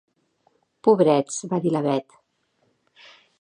Pobrets —va dir la Bet—.